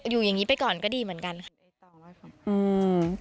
อยู่อย่างนี้ไปก่อนก็ดีเหมือนกันค่ะ